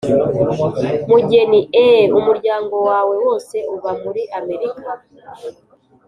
mugeni: eeeh! umuryango wawe wose uba muri amerika?